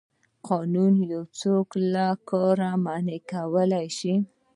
قانون یو څوک له کار منع کولی شي.